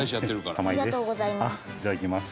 いただきます。